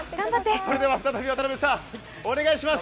それでは再び渡邊さん、お願いします。